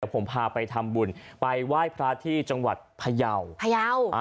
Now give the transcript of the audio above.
ผมพาไปทำบุญไปไหว้พระที่จังหวัดพยาวพยาว